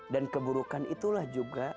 dan keburukan itulah juga